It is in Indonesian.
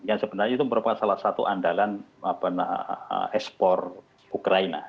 yang sebenarnya itu merupakan salah satu andalan ekspor ukraina